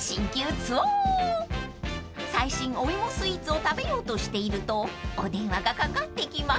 ［最新お芋スイーツを食べようとしているとお電話がかかってきました］